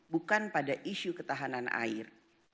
bukan pada isu ketahanan air